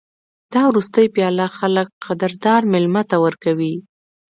دا وروستۍ پیاله خلک قدردان مېلمه ته ورکوي.